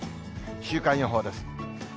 週間予報です。